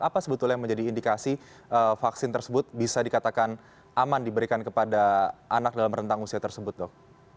apa sebetulnya yang menjadi indikasi vaksin tersebut bisa dikatakan aman diberikan kepada anak dalam rentang usia tersebut dok